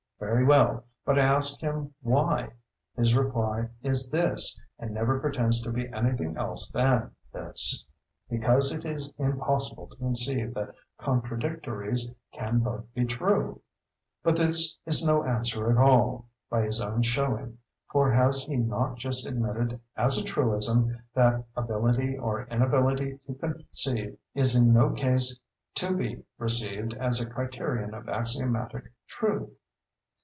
Very well; but I ask him why. His reply is this—and never pretends to be any thing else than this—"Because it is impossible to conceive that contradictories can both be true." But this is no answer at all, by his own showing, for has he not just admitted as a truism that "ability or inability to conceive is in no case to be received as a criterion of axiomatic truth."